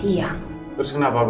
ternyata saya mijn anak di rumah